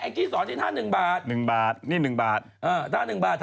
อัยกิศอย่างที่ท่า๑บาท